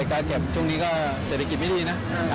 การเก็บช่วงนี้ก็เศรษฐกิจไม่ดีนะ